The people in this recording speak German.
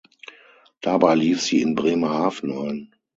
Dabei lief sie in Bremerhaven ein.